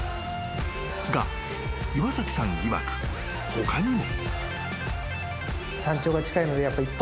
［が岩崎さんいわく他にも］